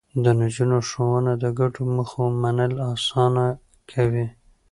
د نجونو ښوونه د ګډو موخو منل اسانه کوي.